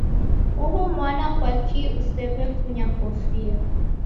Uhu mwana kwakii usew'efunya kofia?